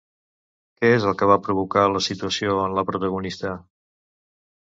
Què és el que va provocar la situació en la protagonista?